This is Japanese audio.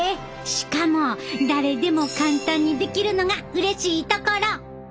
しかも誰でも簡単にできるのがうれしいところ！